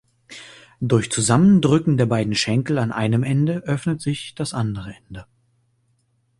Durch Zusammendrücken der beiden Schenkel an einem Ende öffnet sich das andere Ende.